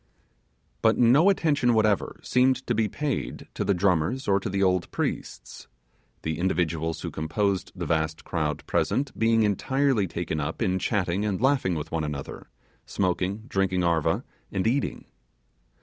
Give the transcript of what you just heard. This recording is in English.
But no attention whatever seemed to be paid to the drummers or to the old priests; the individuals who composed the vast crowd present being entirely taken up in chanting and laughing with one another, smoking, drinking 'arva', and eating.